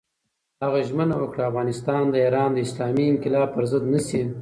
هغه ژمنه وکړه، افغانستان د ایران د اسلامي انقلاب پر ضد نه شي.